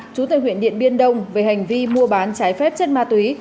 chú tại huyện điện biên đông về hành vi mua bán trái phép chất ma túy